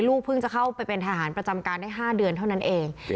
เพิ่งจะเข้าไปเป็นทหารประจำการได้๕เดือนเท่านั้นเอง